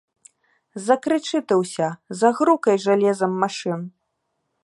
Закрычы ты ўся, загрукай жалезам машын!